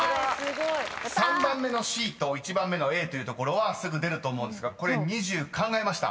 ［３番目の「Ｃ」と１番目の「Ａ」というところはすぐ出ると思うんですがこれ２０考えました？